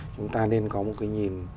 chúng ta nên có một cái nhìn